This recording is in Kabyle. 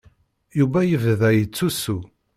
Yuba yebda yettusu.